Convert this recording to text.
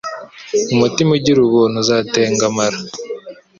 Umutima ugira ubuntu uzatengamara